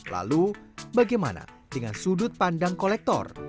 lalu bagaimana dengan sudut pandang kolektor